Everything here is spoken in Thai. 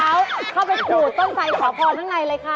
แล้วเข้าไปกรูดต้นไฟขอพรข้างในเลยค่ะ